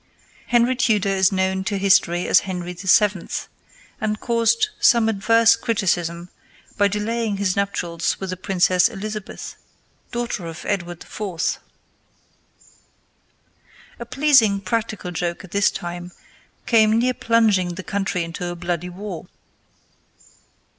Henry Tudor is known to history as Henry VII., and caused some adverse criticism by delaying his nuptials with the Princess Elizabeth, daughter of Edward IV. A pleasing practical joke at this time came near plunging the country into a bloody war.